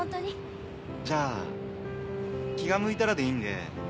じゃあ気が向いたらでいいんで。